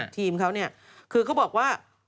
ทีมเขาเนี่ยคือเขาบอกว่า